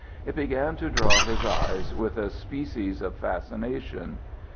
It began to draw his eyes with a species of fascination.